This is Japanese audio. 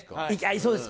そうですか。